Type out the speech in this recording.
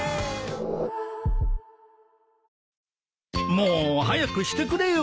もう早くしてくれよ。